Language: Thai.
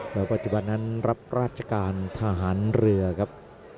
โดยปัจจุบันนั้นรับราชการทหารเรือครับ